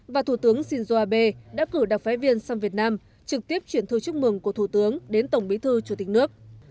và thủ tướng shinzo abe đã cử đặc phái viên sang việt nam trực tiếp chuyển thư chúc mừng của thủ tướng đến tổng bí thư chủ tịch nước